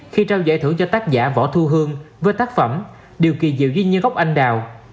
khi trao giải thưởng cho tác giả võ thu hương với tác phẩm điều kỳ diệu duyên như gốc anh đào